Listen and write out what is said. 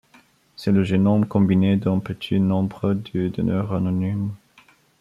C'est le génome combiné d'un petit nombre de donneurs anonymes.